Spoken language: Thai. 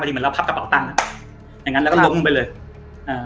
พอดีมันแล้วพับกับเป่าตั้งอย่างงั้นแล้วก็ลงไปเลยเอ่อ